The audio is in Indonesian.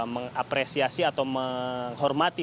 mengapresiasi atau menghormati